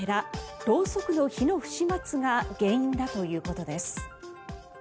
ろうそくの火の不始末が原因だということです。